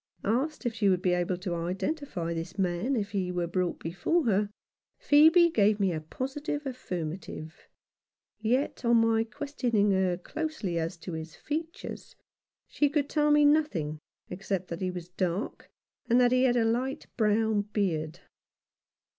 Asked if she would be able to identify this man if he were brought before her, Phcebe gave me a positive affirmative ; yet on my questioning her closely as to his features, she could tell me nothing except that he was dark, and that he had a light brown beard.